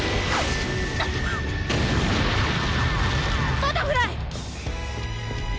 バタフライ！